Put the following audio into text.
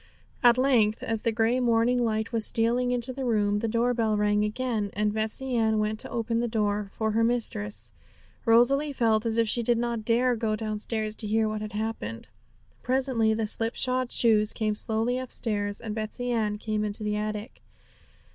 At length, as the grey morning light was stealing into the room, the door bell rang again, and Betsey Ann went to open the door for her mistress. Rosalie felt as if she did not dare to go downstairs to hear what had happened. Presently the slipshod shoes came slowly upstairs, and Betsey Ann came into the attic.